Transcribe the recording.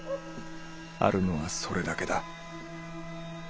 あるのはそれだけだ。